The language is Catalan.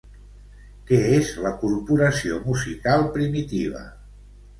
Què és la Corporació Musical Primitiva?